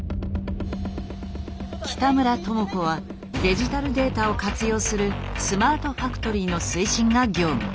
北村智子はデジタルデータを活用するスマートファクトリーの推進が業務。